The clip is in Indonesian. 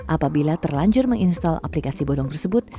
apabila terlanjur menginstal aplikasi bodong tersebut